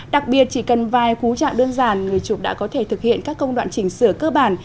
đặc biệt chỉ cần vài cú trạng đơn giản người chụp đã có thể thực hiện các công đoạn chỉnh sửa cơ bản